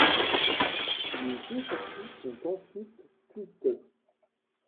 Les deux parties sont ensuite cuites.